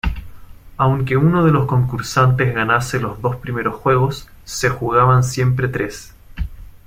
Aunque uno de los concursantes ganase los dos primeros juegos, se jugaban siempre tres.